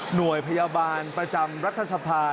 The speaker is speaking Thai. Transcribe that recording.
พยาบาลประจำรัฐสภา